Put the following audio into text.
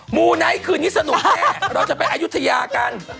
หมู่ไหนคืนนี้สนุกแกเราจะไปอายุเท่ากัน